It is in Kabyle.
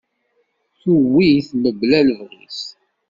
Tuwi-t mebla lebɣi-s.